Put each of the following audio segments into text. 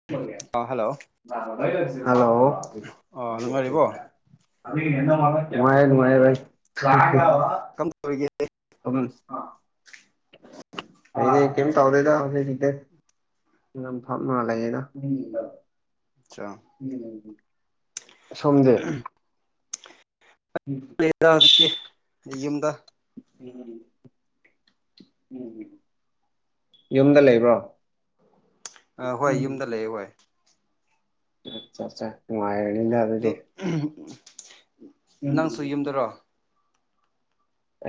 hello ꯑꯥ ꯅꯨꯡꯉꯥꯏꯌꯦ ꯅꯨꯡꯉꯥꯏꯔꯤꯕꯣ ꯅꯨꯡꯉꯥꯏꯌꯦ ꯚꯥꯏ ꯑꯥ ꯀꯝ ꯇꯧꯔꯤꯒꯦ ꯎꯍꯨꯝ ꯑꯩꯗꯤ ꯀꯩꯝ ꯇꯧꯔꯦꯗ ꯍꯧꯖꯤꯛ ꯐꯝꯃ ꯂꯩꯌꯦꯅ ꯑꯆꯥ ꯑꯁꯣꯝꯗꯦ ꯗꯦ ꯗꯥ ꯌꯨꯖꯤꯛꯇꯤ ꯂꯤꯌꯨꯝꯗ ꯍꯝ ꯍꯝ ꯌꯨꯝꯗ ꯂꯩꯕ꯭ꯔꯣ ꯑ ꯍꯣꯏ ꯌꯨꯝꯗ ꯂꯩꯑ ꯍꯣꯏ ꯆꯥꯆꯥ ꯉꯨꯡꯉꯥꯏꯔꯅꯤꯗ ꯑꯗꯨ ꯑꯍꯝ ꯅꯪꯁꯨ ꯌꯨꯝꯗꯔꯣ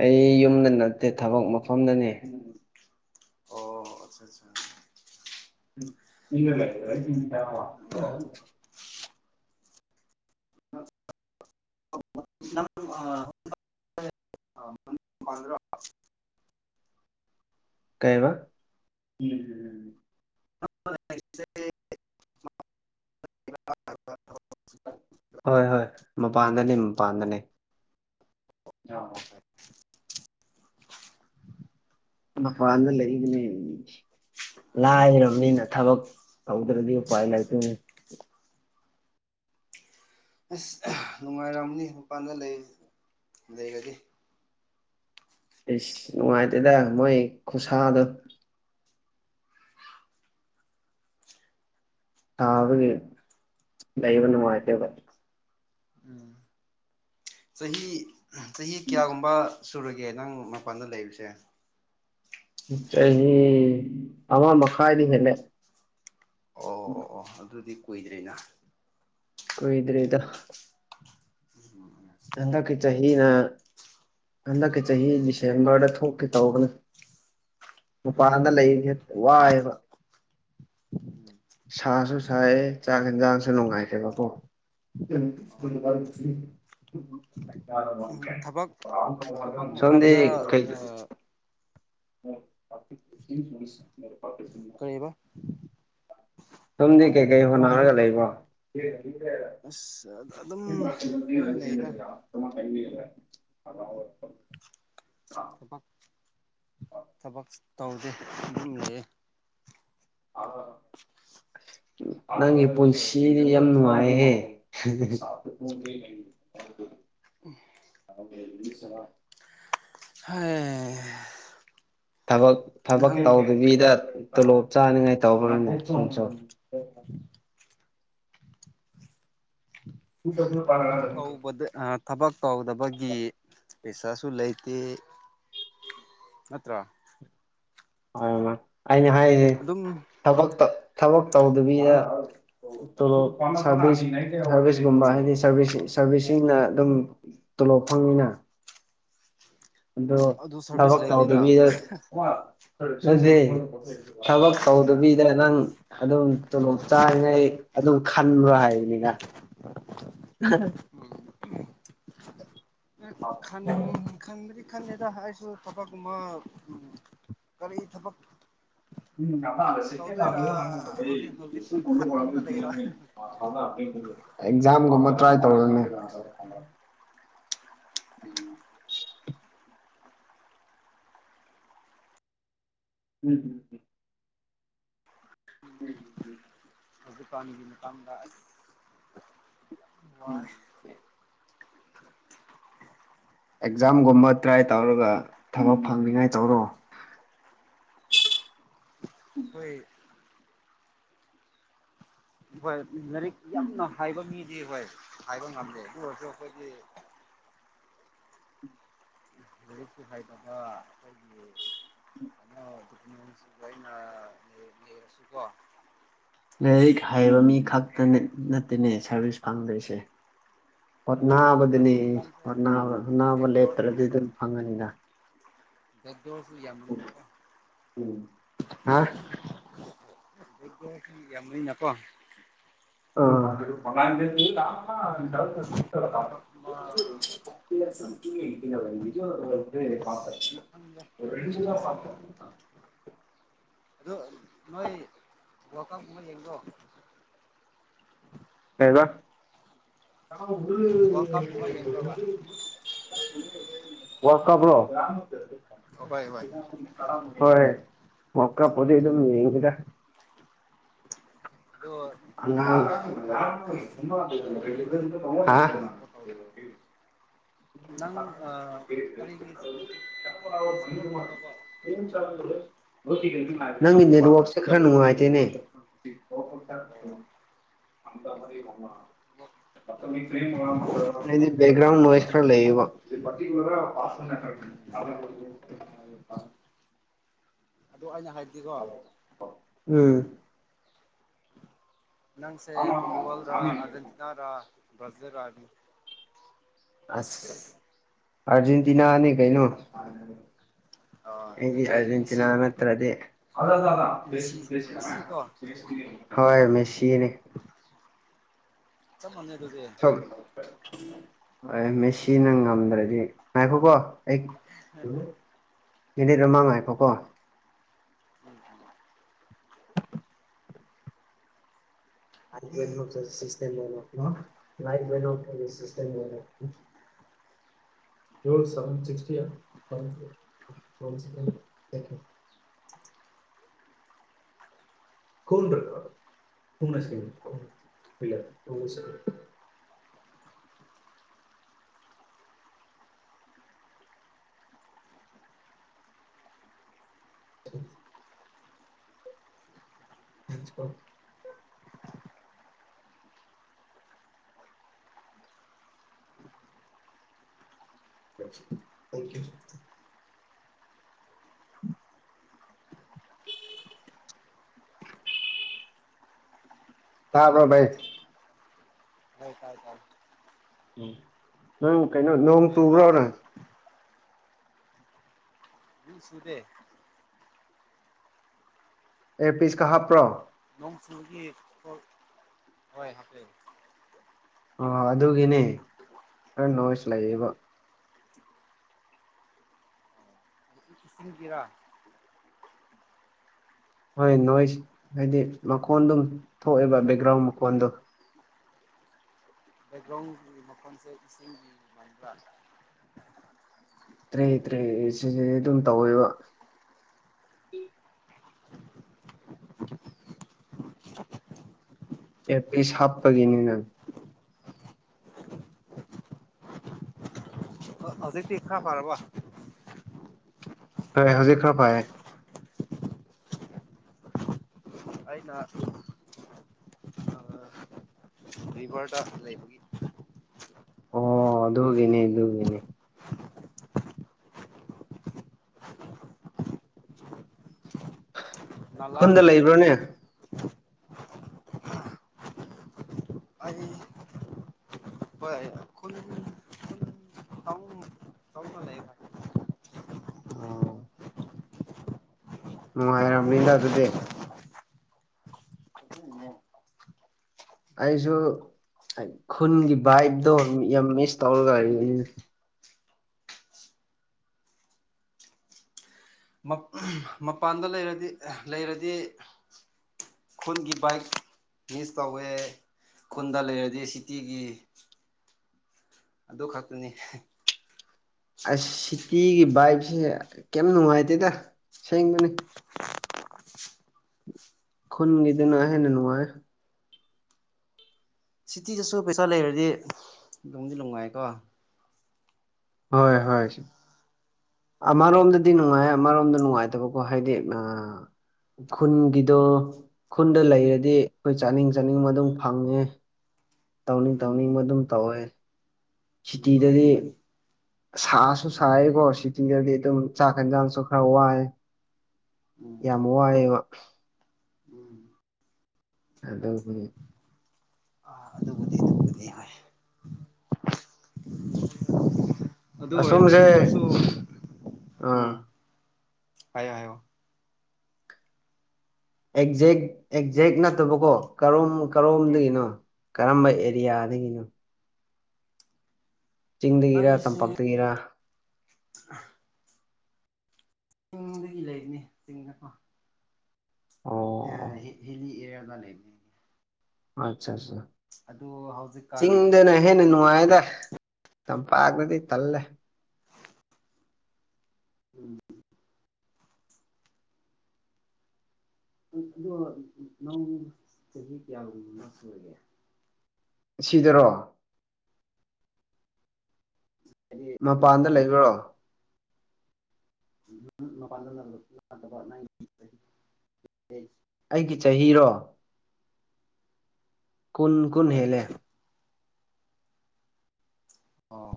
ꯑꯩ ꯌꯨꯝꯗ ꯅꯠꯇꯦ ꯊꯕꯛ ꯃꯐꯝꯗꯅꯦ ꯑꯣ ꯑꯆꯥ ꯑꯆꯥ ꯒ ꯂꯩ ꯔꯖ ꯇ [unintelligible] ꯑ [unintelligible] ꯀꯩꯕ ꯎꯝ [unintelligible] ꯍꯣꯏ ꯍꯣꯏ ꯃꯄꯥꯟꯗꯅꯤ ꯃꯄꯥꯟꯗꯅꯤ ꯃꯄꯥꯟꯗ ꯂꯩꯒꯅꯦ ꯂꯥꯏꯔꯕꯅꯤꯅ ꯊꯕꯛ ꯇꯧꯗ꯭ꯔꯗꯤ ꯎꯄꯥꯏ ꯂꯩꯇꯣꯅꯦ ꯑꯁ ꯅꯨꯡꯉꯥꯏꯔꯝꯅꯤ ꯃꯄꯥꯟꯗ ꯂꯩ ꯂꯩꯔꯗꯤ ꯑꯩꯁ ꯅꯨꯡꯉꯥꯏꯇꯦꯗ ꯃꯣꯏ ꯈꯨꯁꯥꯗꯣ ꯁꯕꯒꯤ ꯂꯩꯕ ꯅꯨꯡꯉꯥꯏꯇꯦꯕ ꯎꯝ ꯆꯍꯤ ꯆꯍꯤ ꯀꯌꯥꯒꯨꯝꯕ ꯁꯨꯔꯒꯦ ꯅꯪ ꯃꯄꯥꯟꯗ ꯂꯩꯕꯁꯦ ꯆꯍꯤ ꯑꯃ ꯃꯈꯥꯏꯗꯤ ꯍꯦꯜꯂꯦ ꯑꯣ ꯑꯣ ꯑꯣ ꯑꯗꯨꯗꯤ ꯀꯨꯏꯗ꯭ꯔꯦꯅ ꯀꯣꯏꯗ꯭ꯔꯦꯗ ꯎ ꯑꯟꯗꯛꯀꯤ ꯆꯍꯤꯅ ꯍꯟꯗꯛꯀꯤ ꯆꯍꯤ ꯗꯤꯁꯦꯝꯕꯔꯗ ꯊꯣꯛꯀꯦ ꯇꯧꯕꯅꯦ ꯃꯄꯥꯟꯗ ꯂꯩꯔꯤ ꯍꯦ ꯋꯥꯏꯑꯦꯕ ꯁꯥꯁꯨ ꯁꯥꯏꯌꯦ ꯆꯥꯛ ꯌꯦꯟꯖꯥꯡꯁꯨ ꯅꯨꯡꯉꯥꯏꯇꯦꯕꯀꯣ ꯎꯝ ꯊꯕꯛ ꯊꯕꯛ ꯁ [unintelligible] ꯁꫭꯝꯗꯤ ꯃꯐꯝꯗ ꯀꯩ ꯑꯥ [unintelligible] ꯀ꯭ꯔꯤꯕ ꯇꯨꯝꯗꯤ ꯀꯩꯀꯩ ꯍꯣꯠꯅꯔꯒ ꯂꯩꯕꯥ ꯑꯁ ꯑꯗꯨꯝ ꯑꯗꯨꯝ ꯂꯩꯗ ꯁ ꯀꯩꯅꯔ ꯑ [unintelligible] ꯊꯕꯛ ꯊꯕꯛ ꯇꯧꯗꯦ ꯑꯗꯨꯝ ꯂꯩꯑꯦ ꯑ ꯅꯪꯒꯤ ꯄꯨꯟꯁꯤꯗꯤ ꯌꯥꯝ ꯅꯨꯡꯉꯥꯏꯍꯦ ꯍ ꯎ ꯑꫭ ꯕꯦ ꯂꯤ ꯁꯥ ꯍ ꯊꯕꯛ ꯊꯕꯛ ꯈꯪ ꯇꯧꯗꯕꯤꯗ ꯇꯣꯂꯣꯞ ꯆꯥꯅꯤꯡꯉꯥꯏ ꯇꯧꯕ꯭ꯔꯅꯦ ꯁꯨꯝ ꯁꯨꯝ ꯊꯕꯛ ꯇꯧꯕꯗ ꯑ ꯊꯕꯛ ꯇꯧꯗꯕꯒꯤ ꯄꯩꯁꯥꯁꯨ ꯂꯩꯇꯦ ꯅꯠꯇ꯭ꯔꯥ ꯄꯔꯦꯝꯃ ꯑꯩꯅ ꯍꯥꯏꯁꯦ ꯑꯗꯨꯝꯅꯤ ꯊ ꯊꯕꯛ ꯇꯧꯗꯕꯤꯗ ꯇꯣ ꯁꯥꯔꯚꯤꯁ ꯁꯥꯔꯚꯤꯁꯀꯨꯝꯕ ꯍꯥꯏꯗꯤꯔꯚꯤꯁ ꯁꯔꯚꯤꯁꯁꯤꯡꯅ ꯑꯗꯨꯝ ꯇꯣꯂꯣꯞ ꯐꯪꯉꯤꯅ ꯑꯗꯣ ꯑꯗꯨ ꯁꯔꯚꯤꯁ ꯂꯩꯇꯦꯅ ꯆꯠꯖꯦ ꯊꯕꯛ ꯇꯧꯗꯕꯤꯗ ꯅꯪ ꯑꯗꯨꯝ ꯇꯣꯂꯣꯞ ꯆꯥꯔꯤꯉꯩ ꯑꯗꯨꯝ ꯈꯟꯕ꯭ꯔꯣ ꯍꯥꯏꯕꯅꯤꯅ [unintelligible] ꯈꯟ ꯈꯟꯕꯗꯤ ꯈꯟꯗꯦꯗ ꯑꯩꯁꯨ ꯊꯕꯛꯒꯨꯝꯕ ꯎꯝ ꯀꯔꯤ ꯊꯕꯛ [unintelligible] ꯇꯧꯗꯣꯏꯔꯥ ꯍꯧꯖꯤꯛ ꯍꯧꯖꯤꯛꯁꯨ ꯈꯟꯅ ꯂꯩꯕ ꯑꯦꯛꯖꯥꯝꯒꯨꯝꯕ ꯇ꯭ꯔꯥꯏ ꯇꯧꯔꯣꯅꯦ ꯎꯝ ꯎꯝ ꯎꯝ ꯎꯝ ꯍꯧꯖꯤꯛꯀꯥꯟꯒꯤ ꯃꯇꯥꯡꯗ ꯋꯥꯏ ꯑꯦꯛꯖꯥꯝꯒꯨꯝꯕ ꯇ꯭ꯔꯥꯏ ꯇꯧꯔꯒ ꯊꯕꯛ ꯐꯪꯅꯤꯉꯥꯏ ꯇꯧꯔꯣ ꯈꫭꯏ ꯍꯣꯏ ꯂꯥꯏꯔꯤꯛ ꯌꯥꯝꯅ ꯍꯥꯏꯕ ꯃꯤꯗꯤ ꯍꯣꯏ ꯍꯥꯏꯕ ꯉꯝꯗꯦ ꯑꯗꯨ ꯑꯣꯏꯔꯁꯨ ꯑꯩꯈꯣꯏꯗꯤ ꯂꯥꯏꯔꯤꯛꯁꯨ ꯍꯩꯗꯕ ꯑꯩꯈꯣꯏꯒꯤ [unintelligible] ꯂꯥꯏꯔꯤꯛ ꯍꯩꯕ ꯃꯤ ꯈꯛꯇ ꯅꯠꯇꯦꯅꯦ ꯁꯥꯔꯚꯤꯁ ꯐꯪꯗꯣꯏꯁꯦ ꯍꯧꯖꯤꯛꯀꯥꯟ ꯍꯣꯠꯅꯥꯕꯗꯨꯅꯤ ꯃꯇꯝꯁꯦ ꯍꯣꯠꯅꯥꯕ ꯅꯥꯕ ꯂꯦꯞꯇ꯭ꯔꯗꯤ ꯑꯗꯨꯝ ꯐꯪꯉꯅꯤꯗ [unintelligible] ꯌꯥꯝ ꯑꯣ [unintelligible] ꯌꯝ ꯂꯩꯅꯀꯣ ꯑꯣ [unintelligible] [unintelligible] ꯈꯪꯗꯦ ꯄꯨꯟꯁꯤꯁꯦ [unintelligible] ꯑꯗꯨ ꯅꯣꯏ ꯋꯥꯔ ꯀꯞ ꯀꯨꯝꯕ ꯌꯦꯡꯕꯔꯣ ꯀꯩꯕ ꯋꯥꯔꯜ ꯀꯞꯀꯨꯝꯕ ꯌꯦꯡꯕ꯭ꯔꯕ ꯋꯥꯔ ꯀꯞ꯭ꯔꯣ ꯍꯣꯏ ꯍꯣꯏ ꯍꯣꯏ ꯋꯥꯛ ꯀꯞ ꯄꯨꯗꯤ ꯑꯗꯨꯝ ꯌꯦꯡꯉꯤꯗ ꯑꯗꯣ ꯅꯪꯅ ꯑꯉꯥꯡ ꯍꯥ ꯀꯔꯤ ꯇꯤꯝꯕꯨ [unintelligible] ꯁꯞꯄꯣꯔꯠ ꯇꯧꯕꯅꯣ ꯅꯪ ꯑꯥ ꯀꯔꯤꯒꯤ ꯁꯞꯄꯣꯔꯠ ꯇꯧꯕꯅꯣꯕ [unintelligible] ꯅꯪꯒꯤ ꯅꯦꯠꯋꯛꯁꯦ ꯈꯔ ꯅꯨꯡꯉꯥꯏꯇꯦꯅꯦ ꯑꯣ [unintelligible] ꯑꯣ ꯑꯩꯗꯤ ꯕꯦꯛꯒ꯭ꯔꯥꯎꯟ ꯅꯣꯏꯁ ꯈꯔꯥ ꯂꯩꯌꯦꯕ ꯎꯝ [unintelligible] ꯑꯗꯣ ꯑꯩꯅ ꯍꯥꯏ ꯎꯝ ꯅꯪꯁꯦ ꯄꯣꯔꯇꯨꯒꯜꯔ ꯑꯥꯔꯖꯦꯟꯇꯤꯅꯥꯔ ꯕ꯭ꯔꯥꯖꯤꯜ ꯔ ꯑꯗꯨ ꯑꯁ ꯑꯔꯖꯦꯟꯇꯤꯅꯥ ꯅꯤ ꯀꯩꯅꯣ ꯑꯩꯗꯤ ꯑꯗꯨꯗꯤ ꯑꯔꯖꯦꯟꯇꯤꯅꯥ ꯃꯦꯁꯤ ꯅꯠꯇ꯭ꯔꯗꯤ ꯑꯂꫭ ꯇꯥꯗꯥ Messi please please come Messi out ꯀꯣ ꯇꯤ ꯑꯦꯛꯁ ꯇꯤ ꯍꯣꯏ ꯃꯦꯁꯤꯅꯦ ꯆꯞ ꯃꯥꯅꯩꯗꯨꯗꯤ ꯍꯣꯏ ꯃꯦꯁꯤꯅ ꯉꯝꯗ꯭ꯔꯗꯤ ꯉꯥꯏꯈꯣꯀꯣ ꯑꯩ ꯃꯤꯅꯤꯠ ꯑꯃ ꯉꯥꯏꯈꯣꯀꯣ [unintelligible] [unintelligible] [unintelligible] [unintelligible] [inaudible] ꯄ꯭ꯔꯤꯟꯁꯤꯄꯜ [unintelligible] ꯇꯥꯕ꯭ꯔꯣ ꯚꯥꯏ ꯍꯣꯏ ꯇꯥꯏ ꯇꯥꯏ ꯎꯝ ꯅꯪ ꯀꯩꯅꯣ ꯅꯣꯡ ꯂꯣꯏꯔꯕꯣ ꯆꯨꯕ꯭ꯔꯣꯅꯦ ꯌꯨ ꯁꯨꯗꯦ ꯑꯦꯌꯔꯄꯤꯁꯀ ꯍꯥꯞꯄ꯭ꯔꯣ ꯅꯣꯡ ꯆꯨꯕꯒꯤ ꯈꯣꯏ ꯍꯣꯏ ꯍꯥꯞꯄꯦ ꯑ ꯑꯗꯨꯒꯤꯅꯦ ꯈꯔ ꯅꯣꯏꯁ ꯂꯩꯌꯦꯕ ꯑꯁꯤꯡꯀꯤꯔꯣ ꯍꯣꯏ ꯅꯣꯏꯁ ꯍꯥꯏꯗꯤ ꯃꯈꯣꯟ ꯑꯗꯨꯝ ꯊꯣꯛꯑꯦꯕ ꯕꯦꯛꯒ꯭ꯔꯥꯎꯟ ꯃꯈꯣꯟꯗꯣ ꯕꯦꯛꯒ꯭ꯔꯥꯎꯟꯒꯤ ꯃꯈꯣꯟꯁꯦ ꯏꯁꯤꯡꯒꯤ ꯃꯥꯟꯕ꯭ꯔꯥ ꯇ꯭ꯔꯦ ꯇ꯭ꯔꯦ [unintelligible] ꯑꯗꯨꯝ ꯇꯧꯋꯦꯕ ꯑꯦꯌꯔꯄꯤꯁ ꯍꯥꯞꯄꯒꯤꯅꯤ ꯅꯪ ꯑꯣ ꯍꯧꯖꯤꯛꯇꯤ ꯈꯔ ꯐꯔꯕꯣ ꯐꯔꯦ ꯍꯧꯖꯤꯛ ꯈꯔ ꯐꯥꯌꯦ ꯑꯩꯅ ꯔꯤꯕꯔꯗ ꯂꯩꯕꯒꯤ ꯑꯣ ꯑꯗꯨꯒꯤꯅꯤ ꯑꯗꯨꯒꯤꯅꯤ ꯄꯥꯛ__ ꯈꯨꯟꯗ ꯅꯂꯥꯒꯨꯝꯕꯅꯤꯗ ꯂꯩꯕ꯭ꯔꯣꯅꯦ ꯑꯩ ꯍꯣꯏ ꯈꯨꯟ ꯈꯨꯟ [unintelligible] ꯂꯩꯌꯦꯗꯥ ꯑꯣ ꯅꯨꯡꯉꯥꯏꯔꯝꯃꯅꯤꯗ ꯑꯗꯨꯗꯤ ꯀꯥꯏꯗꯩꯅꯣꯍꯦ ꯑꯩꯁꯨ [unintelligible] ꯈꯨꯟꯒꯤ ꯚꯥꯏꯕꯇꯣ ꯌꯥꯝ ꯃꯤꯁ ꯇꯧꯔꯒ [unintelligible] ꯃꯛ [unintelligible] ꯃ ꯃꯄꯥꯟꯗ ꯂꯩꯔꯗꯤ ꯑꯦꯍ ꯂꯩꯔꯗꯤ ꯈꯨꯟꯒꯤ ꯕꯥꯏꯛ ꯃꯤꯁ ꯇꯧꯋꯦ ꯈꯨꯟꯗ ꯂꯩꯔꯗꯤ ꯁꯤꯇꯤꯒꯤ ꯑꯗꯨ ꯈꯛꯇꯅꯤ ꯑꯁ ꯁꯤꯇꯤꯒꯤ ꯚꯥꯏꯕꯁꯦ ꯀꯦꯝ ꯅꯨꯡꯉꯥꯏꯇꯦꯗ ꯑꯁꯦꯡꯕꯅꯤ ꯈꯨꯟꯒꯤꯗꯨꯅꯍꯦꯟꯅ ꯅꯨꯡꯉꯥꯏꯌꯦ ꯁꯤꯇꯤꯗꯁꯨ ꯄꯩꯁꯥ ꯂꯩꯔꯗꯤ ꯅꯨꯡꯗꯤ ꯅꯨꯡꯉꯥꯏꯌꯦꯀꯣ ꯍꯣꯏ ꯍꯣꯏ ꯁ__ ꯑꯃꯔꯣꯝꯗꯗꯤ ꯅꯨꯡꯉꯥꯏ ꯑꯃꯔꯣꯝꯗ ꯅꯨꯡꯉꯥꯏꯇꯕꯀꯣ ꯍꯥꯏꯗꯤ ꯑ ꯈꯨꯟꯒꯤꯗꯣ ꯈꯨꯟꯗ ꯂꯩꯔꯗꯤ ꯑꯩꯈꯣꯏ ꯆꯥꯅꯤꯡ ꯆꯥꯅꯤꯡꯕ ꯑꯗꯨꯝ ꯐꯪꯉꯦ ꯇꯧꯅꯤꯡ ꯎꯝ ꯇꯧꯅꯤꯡꯕ ꯎꯝ ꯑꯗꯨꯝ ꯇꯧꯋꯦ ꯎꯝ ꯃꯥꯅꯤ ꯁꯤꯇꯤꯗꯗꯤ ꯃꯥꯅꯤ ꯁꯥꯁꯨ ꯁꯥꯏꯌꯦꯀꯣ ꯁꯤꯇꯤꯗꯗꯤ ꯑꯗꯨꯝ ꯆꯥꯛ ꯌꯦꯟꯖꯥꯡꯁꯨ ꯈꯔ ꯋꯥꯏꯌꯦ ꯎꯝ ꯌꯥꯝ ꯎꯝ ꯋꯥꯏꯑꯦꯕ ꯎꯝ ꯑꯗꯨꯒꯤ ꯑ ꯑꯗꯨꯕꯨꯗꯤ ꯑꯗꯨꯕꯨꯗꯤ ꯍꯣꯏ [unintelligible] ꯑꯗꯨ ꯑꯣꯏꯔ ꯑꯁꯣꯝꯁꯦ ꯑꯗꯨ ꯑꯣꯏꯔꯁꯨ ꯑꯥ ꯎꯝ ꯍꯥꯏꯌꯣ ꯍꯥꯏꯌꯣ ꯑꯦꯛꯖꯦꯛ ꯑꯦꯛꯖꯦꯛ ꯅꯠꯇꯕꯀꯣ ꯀꯔꯣꯝ ꯎꯝ ꯀꯔꯣꯝꯗꯒꯤꯅꯣ ꯀꯔꯝꯕ ꯑꯦꯔꯤꯌꯥꯗꯒꯤꯅꯣ ꯆꯤꯡꯗꯒꯤꯔ ꯇꯝꯄꯥꯛꯇꯒꯤꯔ ꯑꯥꯍ ꯆꯤꯡꯗꯒꯤ ꯂꯩꯕꯅꯤ ꯆꯤꯡꯗꯀꯣ ꯑ ꯑꯣ ꯍꯤ ꯍꯤꯜꯂꯤ ꯑꯦꯔꯤꯌꯥꯗ ꯂꯩꯕꯅꯦ ꯑꯣ ꯑꯠꯁꯥ ꯁꯥ ꯑꯗꯨ ꯍꯧꯖꯤꯛꯀꯥꯟ ꯍꯦꯟꯅ ꯅꯨꯡꯉꯥꯏꯗ ꯇꯝꯄꯥꯛꯇꯗꯤ ꯇꯜꯂꯦ ꯎꯝ ꯑꯗꯣ ꯅꯪ ꯆꯍꯤ ꯀꯌꯥꯒꯨꯝꯕ ꯁꯨꯔꯒꯦ ꯁꯤꯗꯔꯣ ꯍꯥꯏꯗꯤ ꯃꯄꯥꯟꯗ ꯂꯩꯕ꯭ꯔꯣ [unintelligible] ꯑꯩꯒꯤ ꯆꯍꯤꯔꯣ ꯀꯨꯟ ꯀꯨꯟ ꯍꯣꯏ ꯍꯣꯏ ꯍꯦꯜꯂꯦ ꯑꯣ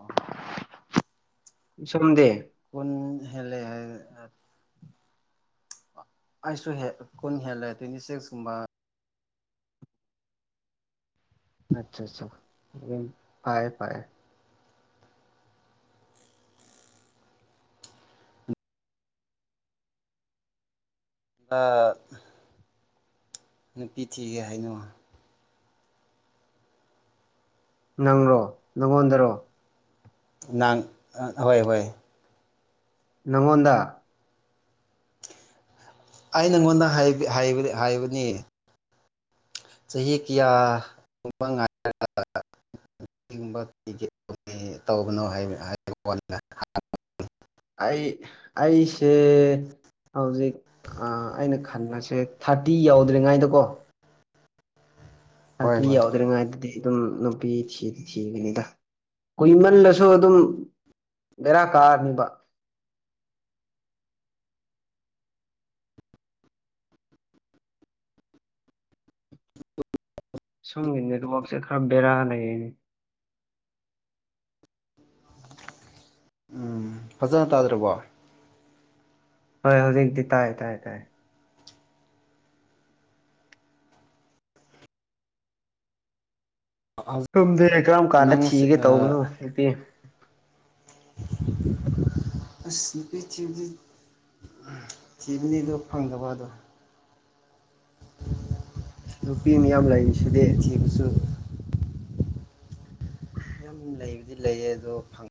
ꯁꯨꯝꯗꯦ ꯀꯣꯟ ꯍꯦꯂꯦ ꯑꯩꯁꯨ ꯀꯨꯟ ꯍꯦꯜꯂꯦ ꯇ꯭ꯋꯦꯟꯇꯤ ꯁꯤꯛꯁ ꯀꯨꯝꯕ ꯑꯆꯥ ꯑꯆꯥ ꯐꯌꯦ ꯐꯌꯦ ꯑꯥ ꯅꯨꯄꯤ ꯊꯤꯒꯦꯍꯩꯅꯨ ꯅꯪꯔꯣ ꯅꯪꯉꯣꯟꯗꯔꯣ ꯅꯥꯡ ꯍꯣꯏ ꯍꯣꯏ ꯅꯪꯉꯣꯟꯗ ꯑꯩꯅꯉꯣꯟꯗ ꯍꯥꯏꯕꯅꯤ ꯆꯥꯍꯤ‌ ꯀꯌꯥ [unintelligible] [unintelligible] ꯇꯧꯒꯅꯣ [unintelligible] ꯑꯩ ꯑꯩꯁꯦ ꯍꯧꯖꯤꯛ ꯑꯩꯅ ꯈꯟꯕꯁꯦ ꯊꯥꯔꯇꯤ ꯌꯧꯗ꯭ꯔꯤꯉꯥꯏꯗꯀꯣ ꯍꯣꯏ ꯆꯥꯛꯇ ꯍꯣꯏ ꯌꯥꯎꯗ꯭ꯔꯤꯉꯥꯏꯗꯗꯤ ꯑꯗꯨꯝ ꯅꯨꯄꯤ ꯊꯤꯗꯤ ꯊꯤꯒꯅꯤꯗ ꯀꯨꯏꯃꯜꯂꯁꯨ ꯑꯗꯨꯝ ꯕꯦꯔꯥ ꯀꯥꯔꯅꯤꯕ [inaudible] ꯁꯣꯝꯒꯤ ꯅꯦꯠꯋꯔꯛꯁꯦ ꯈꯔ ꯕꯔꯥ ꯂꯩꫪꯦꯅꯦ ꯎꯝ ꯐꯖꯅ ꯇꯥꯗ꯭ꯔꯕꫭ ꯍꯣꯏ ꯍꯧꯖꯤꯛꯇꯤ ꯇꯥꯏ ꯇꯥꯏꯌꯦ ꯇꯥꯏ ꯈꯨꯝꯗ꯭ꯔꯦ ꯀꯔꯝ ꯀꯥꯟꯗ ꯅꯪ ꯊꯤꯒꯦ ꯇꯧꯕꯅꯣ ꯅꯨꯄꯤ [inaudible] ꯑꯁ ꯅꯨꯄꯤ ꯊꯤꯕꯗꯤ‌ ꯊꯤꯕꯅꯤꯗꯣ ꯐꯪꯗꯕ ꯑꯗꯣ ꯅꯨꯄꯤ ꯃꯌꯥꯝ ꯂꯩꯔꯤꯁꯤꯗꯤ ꯅꯨꯄꯤ ꯊꯤꯕꯁꯨ ꯌꯥꯝ ꯂꯩꯕꯨꯗꯤ ꯂꯩꯌꯦ ꯑꯗꯣ ꯐꯪ